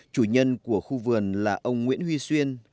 chủ nhân của khu vườn là ông nguyễn huy xuyên